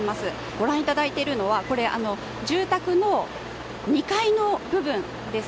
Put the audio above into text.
ご覧いただいているのは住宅の２階の部分です。